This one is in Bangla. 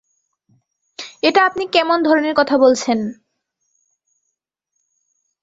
এটা আপনি কেমন ধরনের কথা বলছেন?